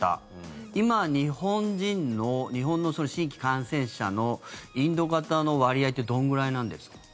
今、日本人の日本の新規感染者のインド型の割合ってどのぐらいなんですか？